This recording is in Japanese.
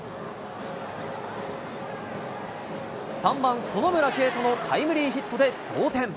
３番園村けいとのタイムリーヒットで同点。